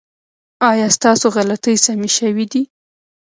ایا ستاسو غلطۍ سمې شوې دي؟